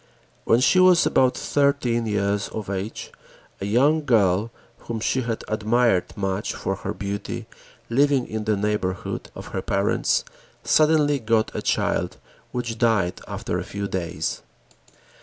When she was about thirteen years of age, a young girl whom she had admired much for her beauty, living in the neighborhood of her parents, suddenly got a child which died after a few days.